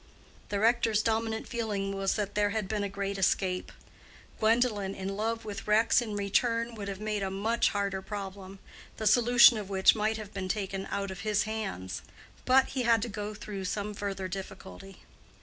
The rector's dominant feeling was that there had been a great escape. Gwendolen in love with Rex in return would have made a much harder problem, the solution of which might have been taken out of his hands. But he had to go through some further difficulty.